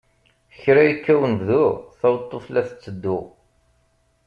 Kra yekka unebdu, taweṭṭuft la tetteddu.